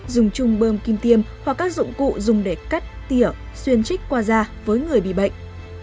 dùng chung bơm kim tiêm hoặc các dụng cụ dùng để cắt tỉa xuyên trích qua da với người bị bệnh